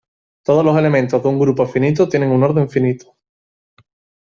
Todos los elementos de un grupo finito tienen un orden finito.